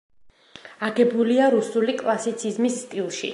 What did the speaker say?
აგებულია რუსული კლასიციზმის სტილში.